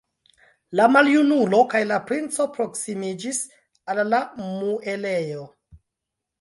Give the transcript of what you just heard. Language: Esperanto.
La maljunulo kaj la princo proksimiĝis al la muelejo.